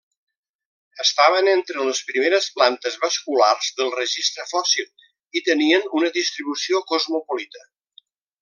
Estaven entre les primeres plantes vasculars del registre fòssil i tenien una distribució cosmopolita.